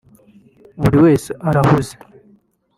buri wese arahuze